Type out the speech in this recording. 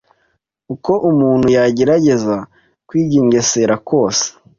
Uko umuntu yagerageza kwigengesera kose